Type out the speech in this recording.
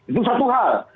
itu satu hal